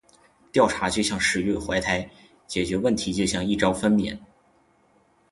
调查就像“十月怀胎”，解决问题就像“一朝分娩”。